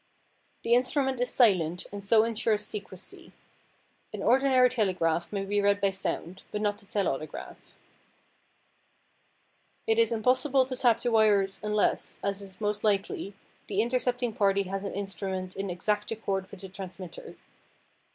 The instrument is silent and so insures secrecy. An ordinary telegraph may be read by sound; but not the telautograph. It is impossible to tap the wires unless, as is most unlikely, the intercepting party has an instrument in exact accord with the transmitter.